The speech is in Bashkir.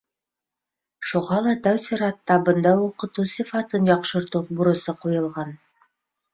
Шуға ла тәү сиратта бында уҡытыу сифатын яҡшыртыу бурысы ҡуйылған.